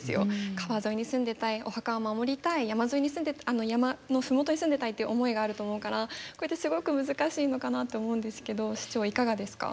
川沿いに住んでたいお墓を守りたい山の麓に住んでたいっていう思いがあると思うからこれってすごく難しいのかなって思うんですけど市長いかがですか？